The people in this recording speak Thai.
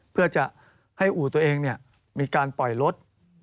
เพื่อจะให้อู่ตัวเองมีการปล่อยรถ